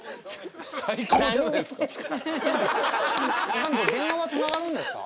最高じゃないですか。